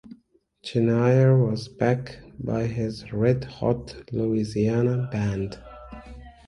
Chenier was back by his Red Hot Louisiana Band.